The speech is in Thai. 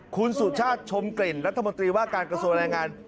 คุณสุชาติชมกลิ่นรัฐมนตรีว่าการกระทรวงแรงงาน